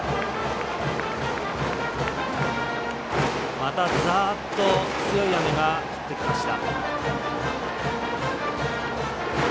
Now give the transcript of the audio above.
またざーっと強い雨が降ってきました。